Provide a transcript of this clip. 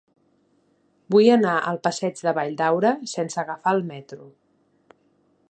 Vull anar al passeig de Valldaura sense agafar el metro.